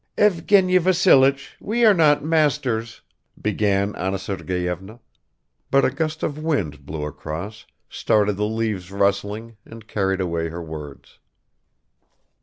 "Evgeny Vassilich, we are not masters ..." began Anna Sergeyevna; but a gust of wind blew across, started the leaves rustling and carried away her words.